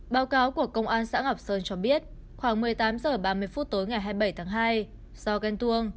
báo cáo của công an xã ngọc sơn cho biết khoảng một mươi tám h ba mươi phút tối ngày hai mươi bảy tháng hai do ghen tuông